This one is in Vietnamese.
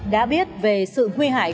đã biết về sự nguy hại